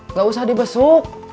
nggak usah dibesuk